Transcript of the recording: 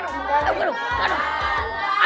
buka pakai air